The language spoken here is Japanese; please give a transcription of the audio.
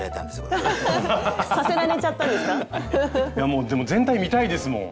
もうでも全体見たいですもん。